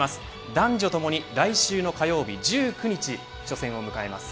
男女ともに来週の火曜日１９日、初戦を迎えます。